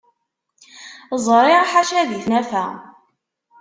Ẓriɣ ḥaca di tnafa.